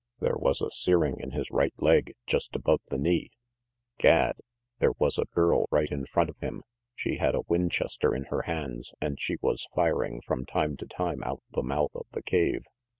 There was a searing in his right leg, just above the knee. Gad. There was a girl right in front of him. She had a Winchester in her hands, and she was firing from time to time out the mouth of the cave.